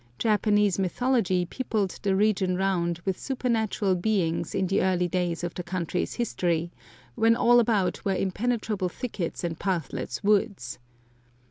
Japanese mythology peopled the region round with supernatural beings in the early days of the country's history, when all about were impenetrable thickets and pathless woods.